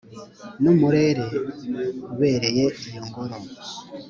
n’umurere ubereye iyo ngoro